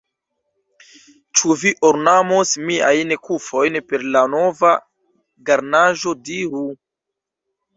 Ĉu vi ornamos miajn kufojn per la nova garnaĵo, diru?